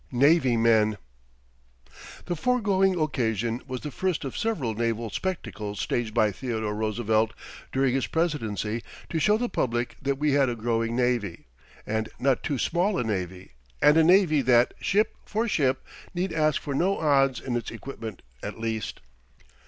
NAVY MEN The foregoing occasion was the first of several naval spectacles staged by Theodore Roosevelt during his presidency to show the public that we had a growing navy, and not too small a navy, and a navy that, ship for ship, need ask for no odds in its equipment at least.